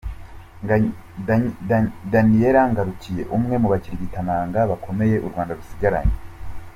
Daniel Ngarukiye umwe mu bakirigitananga bakomeye u Rwanda rusigaranye .